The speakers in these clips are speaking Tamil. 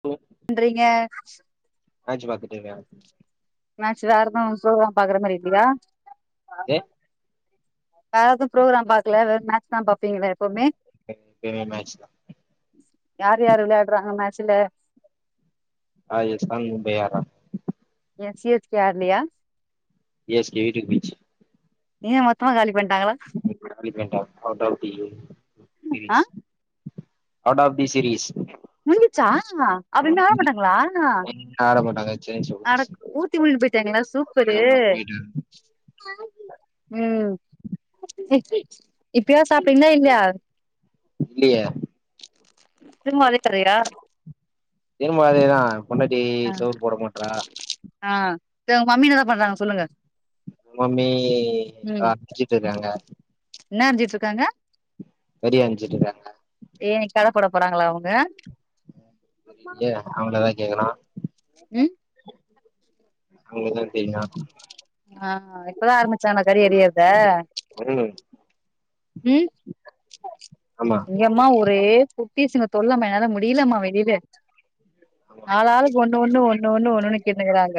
சொல்ங்க பண்றீங்க மேச்சு பாத்துட்டிருக்க மேச்சு வேற எது சோலா பாக்கற மாரி இல்லையா எ வேற எது புரோகிராம் பாக்லயா வெறு மேச்சுதா பாப்பீங்ளா எப்பம்மே எ பயுமே மேச்சுதா யார் யாரு விளையாட்றாங்க மேச்சுல ராஜஸ்தான் மும்பையாட்றான் ஏன் சி எஸ் கே ஆட்லயா சி எஸ் கே வீட்டுக் பேய்ர்ச்சு ஏ மொத்தமா காலி பண்ணிட்டாங்களா தூக்கிட்போய்ட்டு காலி பண்ட்டாங்க out of the ah series out of the series முடிஞ்சிர்ச்சா அப்பு இன் விளாட மாட்டாங்ளா ஆட மாட்டாங்க சென்னை சூப்பர் கிங்ஸ் ஆனக் ஊத்தி உள்ந் போய்ட்டாய்ங்குளா சூப்பரு போயிட்டாங்க ம் இப்பயா சாப்ட்டீங்ளா இல்லயா இல்லைய திரும்மு அடுத்த ரெய்டா திருமு அதேதா பொண்டாட்டி ஆ சோர் போட மாட்றா ஆ சேர் ஒங் மம்மி என்னதா பண்றாங்க சொல்லுங்க மம்மி அர்ஞ்சிட்ருக்றாங்க இன்ன அர்ஞ்ட்ருக்காங்க கறி அர்ஞ்சிட்ருக்றாங்க பிரியாணி கட போட போறாங்ளா அவ்ங்க இல்ல அவுங்ட்டதா கேக்கணு ம் அவுங்ளுக்தா தெரியு ஆ இப்பதா ஆரமிச்சாங்ளா கறியெறியர்த தெரிலங்க ம் ஆமா இங்கம்மா ஒரே குட்டீஸிங்க தொல்லமா என்னால முடிலமா வெளில ஆமா ஆளாளுக்கு ஒன்னு ஒன்னு ஒன்னு ஒன்னு ஒன்னொன்னு கேட்னுகுறாங்க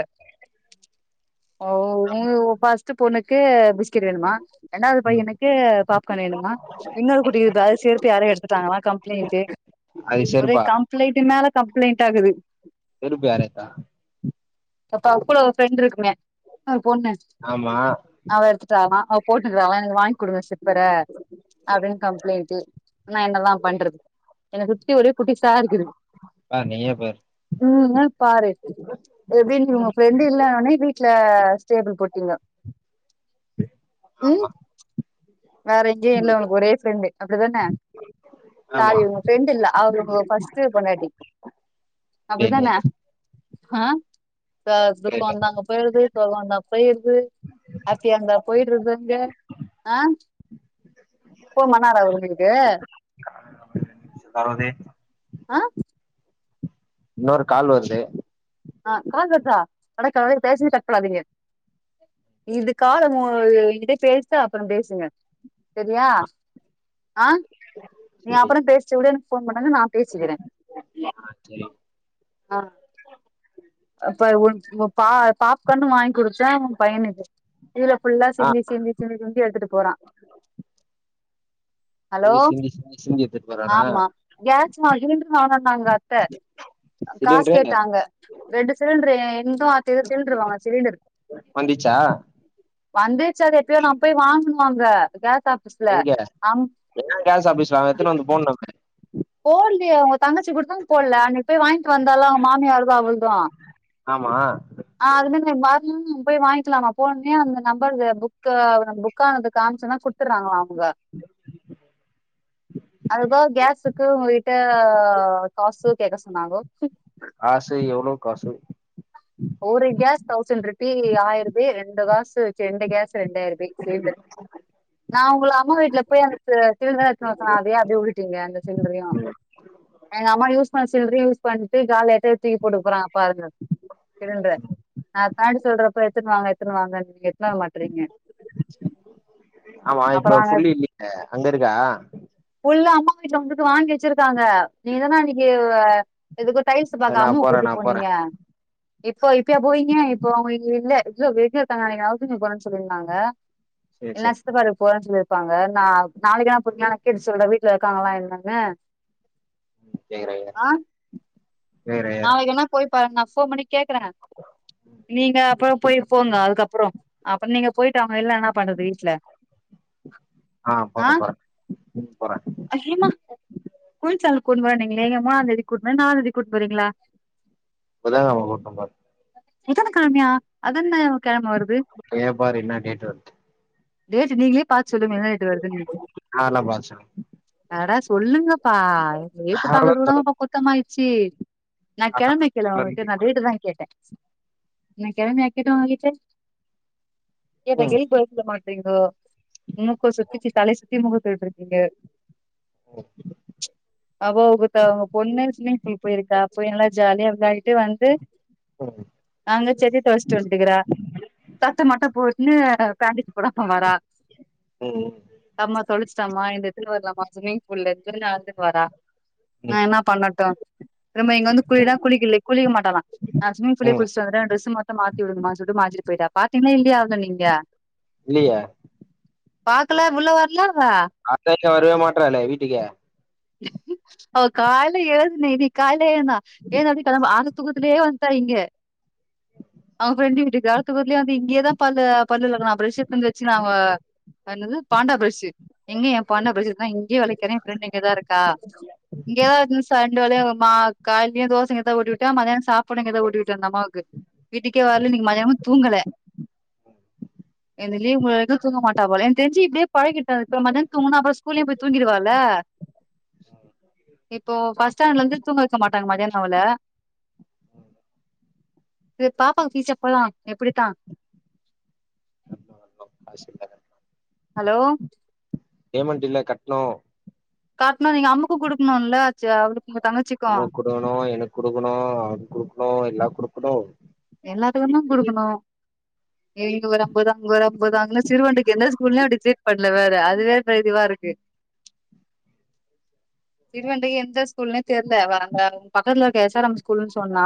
ஓ ஒ இங்கயோ ஃபஸ்ட்டு பொண்ணுக்கு பிஸ்கெட் வேணுமா ரெண்டாவ்து ம் பையனுக்கு பாப்கான் வேணுமா இன்னொரு குட்டிக்கு தா செருப்பு யாரோ எடுத்துட்டாங்களா கம்ப்ளேன்ட்டு அது செருப்பா ப்ளைண்ட்டு மேல கம்ப்ளைண்ட்டாகுது செருப்பு யார் எட்த்தா இந்த பக்த்ல ஒரு ஃபிரெண்ட்ருக்குமே அ பொண்ணு ஆமா அவ எடுத்துட்டாலா அவ் போட்ருக்குறாலா எனக்கு வாய்ங் குடு வேற செர்ப் ப அப்டினு கம்ப்ளைண்ட் நா என்னதா பண்றது எனக்கு சுத்தி ஒரே குட்டீஸா இருக்குது பாரு நீயே பாரு ம் இன்னன் பாரு எப்டின் நீங் உங்க ஃபிரெண்டு் இல்லன் ஒனே வீட்ல ஸ்டேபிள் போட்டீங்க ம் ஆமா வேற எங்கியு இல்ல உங்ளுக்கு ஒரே ஃபிரெண்டு அப்டிதான ஆமா சாரி உங்க ஃப்ரெண்ட்டில்ல அவரு உங்க ஃபஸ்ட்டு பொண்டாட்டி இல்ல இல்ல அப்டித்தான இல்ல ஆ சார் துக்கோ கேட்ட வந்தா அங்க போய்ருது சோகோ வந்தா போய்ருது ஹாப்பியாருந்தா போய்ட்ரது அங்க ஆ ஃபோன் பண்ணாரா அவுரு உங்ளுக்கு கால் வர்து ரெண்டு நிம்ஷோ சகோதரி ஆ இன்னொரு கால் வருது ஆ கால் வர்தா அடக்கடவுளே இத பேசிட்டு கட் பண்ணாதீங்க இது கால மு என்கிட்ட பேசிட்டா அப்றோ பேசுங்க செரியா ஆ ஆ நீ சரி அப்றோ பேசிட்டு கூட எனக்கு ஃபோன் பண்ணுங்க நா பேசுக்கிறே ஆ சரி ஆ அப்ப உன் பா பாப்கானு வாய்ன் குடு த்தே ஒ பையனுக்கு கீழ ஃபுல்லா ஆ சிந்தி சிந்தி சிந்தி சிந்தி எடுத்துட்டு போறா ஹலோ ஒரே சிந்தி சிந்தி சிந் ஆமா கேஸ் [unintelligible] வாங்கனுனாங்க அத்த காசு சிலிண்டரு கேட்டாங்க ரெண்டு சிலிண்ட்ரு என்து அத்தது சிலிண்ட்ரு வாங்னா சிலிண்டரு வந்துச்சா வந்துருச்சு அது எப்பயோ நா போய் வாங்னு அங்க கேஸ் ஆ எங்க ஏ கேஸ் ஆஃபிஸ்ல அவே எத்தனு வந்து போட்னுமே போட்லியே உங்க தங்கச்சி குடுத் து போட்ல அன்னக்கி போய் வாய்ன்ட் வந்தால அவ மாமியார்து அவள்து ஆ ஆமா அது இன்னுன்ன வர்லன் போய் வாய்ன்க்லாமா போனோனே அந்த நம்பர்க்கு புக்கு புக்கானதுக்கு காம்ச்சோனா கு த்துறாங்ளா அவுங்க அதுக்கு பதிலா கேஸு க்கு உங்ககிட்ட காசு கேக்க சொன்னாங்கோ காசு எவ்ளோ காசு ஒரு கேஸ் தௌசண்ட் ருப்பி ஆய்ருபே ரெண்டு காசு செ ரெண்டு கேஸ் ரெண்டாயிருபே சிலிண்டர் நா ஒங்ள அம்மா வீட்ல போய் அந்த சி சிலிண்டர எத்துனு வரே சொன்னே அத ஏ அப்டே வுட்டுடீங்க அந்த சிலிண்டரயு ம். எங்க அம்மா யூஸ் பண்ண சிலிண்டரயு யூஸ் பண்ணிட்டு காலியாய்ட்டா இத தூக்கி போட்டுக்க போறாங்க பாருங்க சிலிண்ட்ரு நா எத்தன வாட்டி சொல்றப்ப எத்துனு வாங்க எத்துனு வாங்கன் நீங் எத்துனு வர மாட்றீங்க ஆமா அப்புறம் இப்ப அங்க ஃபுல்லில்லியே அங்கருக்கா ஃபுல் அம்மா வீட்ல வந்துட்டு வாங்கி வச்சிருக்காங்க நீங்கதான அன்னக்கி எதுக்கோ டைல்ஸு சரி பாக்க நா அம்முவ போறே நா போறே கூட்டுபோனீங்க இப்போ இப்பயா போவீங்க இப்போ அவுங்க இங்க இல்ல எங்கயோ வெளியருக்காங்கன் நெனக்கிறே [unintelligible] சொல்லிருந்தாங்க சேரி இல்லனா சேரி சித்தப்பா வீட்டுக்கு போறன் சொல்லி ப்பாங்க நா நாளக்கி வேணா போறிங்ளா நா கேட்டு சொல்றே வீட்ல இருக்காங்ளா என்னனு ம் கேக்குறைங்க நாளக்கி வேணா போய் பாருங்க நாஃபோன் பண்ணி கேக்குறே நீங்க அப்றோ போய் போங்க அதுக்கப்றோ அப்றோ நீங்க போய்ட்டு அவுங்க இல்லனா பண்றது வீட்ல ஆ போறே போறே ம் போறே [unintelligible] கூட்னு போனீங்ளே மூனாந்தேதி கூட்னு போய் நாலாந்தேதி கூட் போறீங்ளா புதங்கெழம கூட்னு போ எத்தன கெழமையா அதென்ன கெழம வருது அப்படியே பாரு இன்னா டேட்டு வர் டேட்டு நீங்ளே பாத்து சொல்லுங்க என்ன டேட்டு வருதுன்னு நாலா பாத் சொல்ல அட சொல்லுங்கப்பா ஒரு டேட்டு அதெல்லா பாக்கறது சொல்லு கூடவாப்பா குத்தமாய்ச்சு நா ஆஹா. கெழமை கேல உங்ககிட்ட நா டேட்டுதா கேட்டே நா கெழமயா கேட்ட உங்ககிட்ட கேட்ட ம் கேள்விக் பதில் சொல்ல மாட் ரிங்கோ மூக்க சுத்திச்சு தலைய சுத்தி மூக்க தொட்டுருக்கீங்க ம் அவ உக த உங்க பொண்ணே ஸ்சிம்மிங் ஃபுல் க போய் நல்லா ஜாலியா விளாடிட்டு வந்து அங்க ஜெட்டி தொலஷ்ட்டு வந்ட்டுக்கிறா சட்ட மட்டு போ ட்னு பேண்டிஸ் போடாம வரா ஒ ஒ அம்மா தொலச்ட்டம்மா எந்த எத்துன் வரலாமா ஸ்விம்மிங் ஃபூல இருந்துனு நடந்துன் வரா ம் நா ம் என்ன பண்ணட்டு ரம்ம இங்க வந்து குளிடா குளிக்கில குளிக்க மாட்டாளா நா ஸ்விம்மிங் ஃபூல்லே ம் குள்ஷ்ட்டு வந்துட்டே எ ட்ரெஸ்ஸு மட்டு மாத்தி விடுங்கமா சொல்ட்டு மாத்திட்டு போய்ட்டா பாத்தீங்ள இல்லியா அவ்ள நீங்க இல்லியே பாக்கல உள்ள வர்ல அவ அத்தா இங்க வருவே மாட்றாலே வீட்டுக்கே அவ கால்ல எழுதுனே இன்னிக் கால எழுந்தா எழுந்து அப்பே [unintelligible] தூக்கத்திலே வந்டா இங்க அவுங்க ஃப்ரெண்டு வீட்டுக்கு அர தூக்கத்லே வந்து இங்யேதா பல்லு பல்லு வெளக்குனா ப்ரெஷ் எத்துவந் வெச்சுனா அவ அத் இன்னாது பாண்டா ப்ரெஷ்ஷு எங்க எ பாண்டா ப்ரெஷ்ஷு இருக்குதா இங்யே வளக்குறே எ ஃப்ரெண்ட் இங்கதா இருக்கா இங்கேதா எத்துன் வந்து ச ரெண்டு வேலயு மா கால்லியு தோசை இங்கதா ஊட்டிவுட்ட மதியானோ சாப்பாடு இங்கதா ஊட்டிவுட்ட இந்தம்மாவுக்கு வீட்டுக்கே வரல இன்னிக்கு மதியானமு தூங்கல இந்த லீவ் முடிற வரிக்கு தூங்க மாட்டா போல என் தெர்ஞ்சு இப்டே பழகிட்டா இப்ப மத்யான் தூங்குனா அப்பற ஸ்கூல்லயும் போய் தூங்கிடுவால இப்போ பஸ் ஸ்டாண்லெந்து தூங்க வெக்க மாட்டாங்க மதியானோ அவல இது பாப்பாக்கு எப்பதா எப்படித்தா கடன்னு வாங்கனு காசில்ல ஹலோ பேமண்டில்ல கட்ணோ கட்ணு நீங்க அம்முக்கு குடுக்கணுல ச அவளுக்கு உங்க தங்கச்சிக்கு குடுக்குணு எனக் குடுக்குணு அவள்க்கு குடுக்குணு எல்லா குடுக்குணு எல்லாத்துக்குந்தா குடுக்கணு எ இங்க ஒரு அம்பது அங்க ஒரு அம்பது அங்க இன்னு சிறுவண்டுக்கு எந்த ஸ்கூல்னே டிசைட் பண்ல வேற அது வேற இதுவாருக்கு சிறுவண்டு எந்த எந்த ஸ்கூல்னே தெர்ல அவ அந்த அவ்ங் பக்கத்ல இருக்ற எஸ் ஆர் எம் ஸ்கூலுன் சொன்னா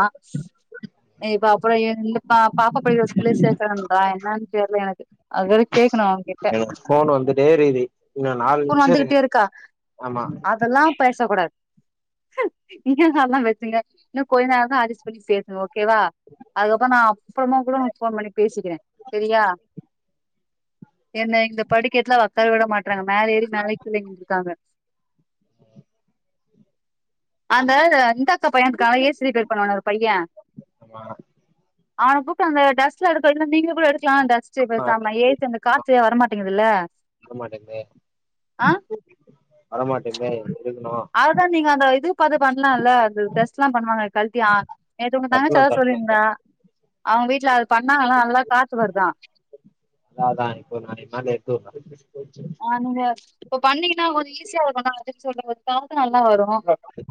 எ இப்ப அ ப்பற எந்த பாப்பா படிக்கிற ஸ்கூல்லே சேக்குறன்றா என்னன் தெர்ல எனக்கு அதவேற கேக்கணு அவ்ங்கிட்ட ஃபோனு வந்துட்டேரிக்குது இன்னு நாலு நிம்ஷோ இருக்கு ஆமா பேசக்கூடாத் இங்யு அதா அதுதா வெச்சிங்க இன்னு கொஞ்ய நேரந்தா அட்ஜஸ் பண்ணி பேசுங்க ஓகேவா அதுக்கப்புறோ நா அப்புறமா கூட உங் ஃபோன் பண்ணி பேசிக்கிறே செரியா என்ன இந்த படிக்கெட்டுலா ஒக்கார விட மாட்டறாங்க மேல ஏறி மேலயு கீழயின்ருக்காங்க அந்த இந்தக்கா பையன்ட்ருக்கால ஏ சி ரிப்பேர் பண்ணுவானே ஒரு பைய ஆமா அவன கூப்டு அந்த டஸ்ட்ல எடுக்க வைங்க நீங்க கூட எடுக்கலா டஸ்ட்டு இப்ப சாப்பட ஏசி அந்த கா த்து வரமாட்டேங்குது இல்ல வரமாட்டேங்குதே வரமாட்டேங்குதே இருக்கணும் அதுதான் நீங்க அந்த இது பாத்து பண்ணலாம் இல்ல அதுடெஸ் எல்லாம் பண்ணுவாங்க கல்ட்டியா நேத்து உ தங்கச்சி தட்டணு அதா தட்டணு சொல்லியிருந்தா தட் அவங்க வீட்ல அது பண்ணாங்கல்லாம் நல்லா காத்து வருதான் அதான் இப்போ நானே மேலே எடுத்து வைப்ப ஆமாங்க இப்ப பண்ணீங்கன்னா கொஞ்சம் ஈஸியா இருக்கணும் அப்டின்னு சொல்றது காத்து நல்லா வரும்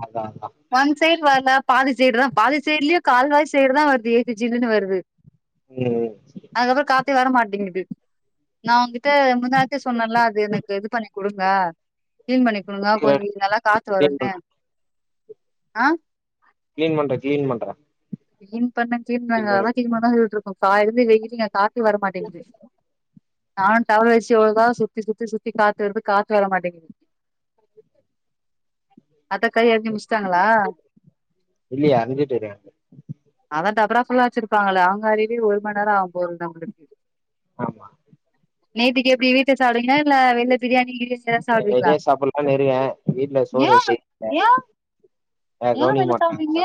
அதா அதா ஒன் சைடு வரல பாதி சைடு தான் பாதி சைடுலேயும் கால்வாய் சைடு தான் வருது ஏசி ஜீல்ன்னு வருது ம் அதுக்கப்பறம் காத்தே வர மாட்டேங்குது நான் உங்கிட்ட முந்தா னேத் சொன்னல்லாம் அது எனக்கு இது பண்ணி கொடுங்க கிளீன் பண்ணி கொடுங்க ம் கொஞ்சம் நல்லா காத்து கிளீன் வரும்ன்னு ஆ கிளீன் பண்ற கிளீன் பண்ற கிளீன் பண்ண கீளீன் பன்னாங்க அதான் கீளீன் பண்ணான் சொல்லிட்டு இருக்கும் கால்ல இருந்து வெயிலுங்க கா த்து வர மாட்டேங்குது நானு டவலை வச்சு ஒழுங்கா தா சுத்தி சுத்தி சுத்தி காட்டுது காத்து வர மாட்டேங்குது அந்தக்கா எழுதி முடிச்சிட்டாங்களா இல்லையே அறிஞ்சிட்டு இருக்கே அதான் டபரா ஃபுல்லா வச்சிருப்பாங்களல்ல அவங்க அரிலே ஒரு மண்நேரம் ஆகும் போறது நம்பளுக்கு ஆமா நேத்திக்கி எப்டி வீட்ட சாப்டுவீங்களா இல்ல வெள்ள பிரியாணி இ நிறைய சாப்பிடலாம்னு இருக்கேன் வீட்ல சோறு வசி ஏன் ஏன் வெள்ள சாப்ட்றீங்க மாட்றாங்க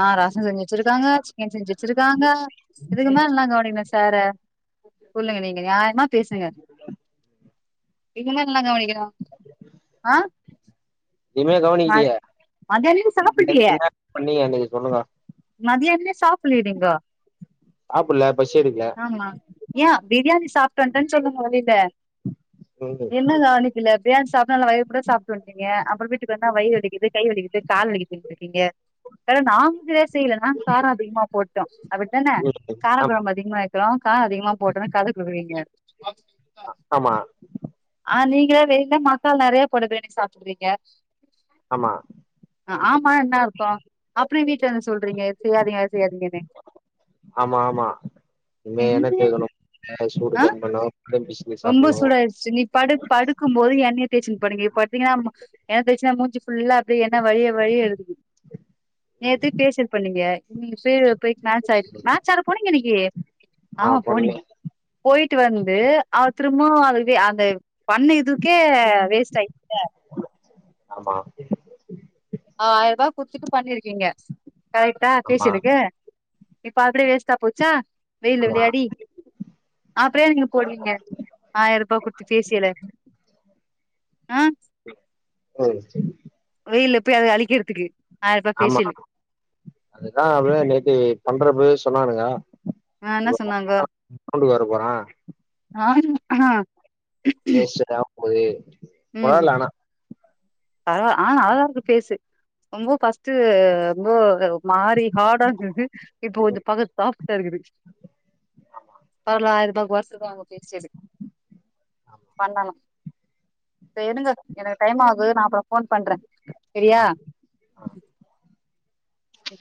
ஆ ரசோ செஞ்சு வச்சிருக்காங்க சிக்கன் செஞ்சு வச்சிருக்காங்க இதுக்கு மேல என்ன கவனிக்கனும் சார சொல்லுங்க நீங்க நியாயமா பேசுங்க இவங்க மேல என்ன கவனிக்கனும் ஆ எதுமே ம கவனிக்கலையே மதியானமே இந்த சாப்பிடலையே ஏன் பண்ணீங்க அன்னிக்கு சொல்லுங்க மதியானமே சாப்ட்லீயா நீங்கோ சாப்பல்லயா பசி எடுக்கல ஆமா ஏன் பிரியாணி சாப்பிட்டு வந்துட்டன்னு சொல்லுங்க வெளில ம் என்னதான் இல்ல பிரியாணி சாப்ட்ட நல்ல வயிறு முட்ட சாப்டு வ ன்டிங்க அப்பறம் வீட்டுக்கு வந்தா வயிறு வலிக்குது கை வலிக்குது கால் வலிக்குதுன்ட்டு இருக்கீங்க இத நாங்களே செய்யலனா காரம் அதிகமா போட்டோம் அப்டிதானே ம் கார ஆம் குழம்பு அதிகமா ஏன் காரம் அதிகமா போட்டனு கத குடுக்குறீங்க ஆமா ஆ நீங்களே வெயில மசாலா நிறைய போட வேணி சாப்பிடுறீங்க ஆமா ஆமா என்ன அர்தோம் அப்புறம் வீட்ல வந்து சொல்றீங்க செய்யாதீங்க செய்யாதீங்கன்னு ஆமா ஆமா இமே என்ன தேக்கணும் அ சூடு ஆ கம்மி பண்ண தெரிஞ்சிச்சி ரொம்ப சூடு ஆயிடுச்சு நீ படு படுக்கும் போது என்னய தேச்சிட்டு படுங்க இப்ப படுத்தீங்கன்னா எண்ண தேச்சுனா மூஞ்சு ஃபுல்லா அப்டியே என்ன வழிய வழிய இருக்குது ம் நேத்தே பேஷியல் பண்ணீங்க நீங்க பே பேய்ட்டு மேட்ச ஆ மேட்ச் ஆட போனீங்க இன்னிக்கி ஆ போண்ணனே போயிட்டு வந்து அவ திரும்போம் அது அந்த பண்ண இதுக்கே வேஸ்ட் ஆய் ஆமா ஆயிரூபா குடுத்துட்டு பண்ணிருக்கீங்க கரெக்டா ஆமா ஃபேசியிலுக்கு இப்ப அப்டியே வேஸ்டா போச்சா வெயில்ல ஆமா விளையாடி அப்பறோ ஏ நீங்க போடுறீங்க ஆயிரூபா குடுத்து ஃபேசியில ம் ஆ சரி வெயில்ல போய் அத அழிக்கிறதுக்கு ஆயிரரூபா ஆமா ஃபேஷியலு அதுதா அவக நேத்து பண்றப்பவே சொன்னானுங்க ஆ என்னா இப்ப சொன்னாங்கோ காம்பவுண்டுக்கு வர போறா ஆ ஃபேசியல் ஏ போது ம் பரவால்ல ஆனா பரவா ஆ நல்லாதா இருக்கு ஃபேஸு ரொம்போ ஃபஸ்ட் ரொம்போ மாரி ஹார்டாந்துது இப்போ கொஞ்சொ பாக்க சாஃப் டாருக்குது அதுல ஆயிரூபாக்கு வொர்த்துதா அவ்ங்க ஃபேசியலுக் பண்ணனு சரி இடுங்க எனக்கு டைம் ஆது நா அப்பறோ ஃபோன் பண்றே சரியா ஆ ம்